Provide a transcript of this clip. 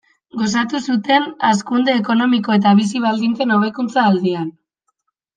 Gozatu zuten hazkunde ekonomiko eta bizi-baldintzen hobekuntza aldian.